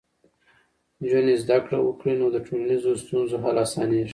نجونې زده کړه وکړي، نو د ټولنیزو ستونزو حل اسانېږي.